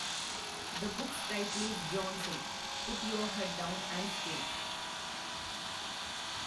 The book's title is Jonesy: Put Your Head Down And Skate.